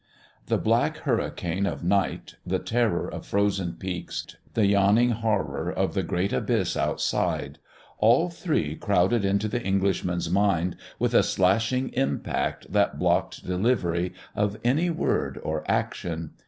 The black hurricane of night, the terror of frozen peaks, the yawning horror of the great abyss outside all three crowded into the Englishman's mind with a slashing impact that blocked delivery of any word or action.